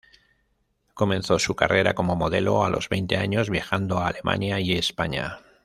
Comenzó su carrera como modelo a los veinte años, viajando a Alemania y España.